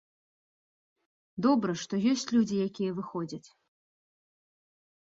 Добра, што ёсць людзі, якія выходзяць.